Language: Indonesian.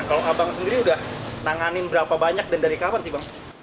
kalau abang sendiri udah nanganin berapa banyak dan dari kapan sih bang